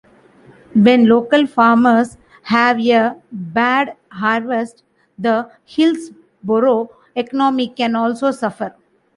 When local farmers have a bad harvest, the Hillsboro economy can also suffer.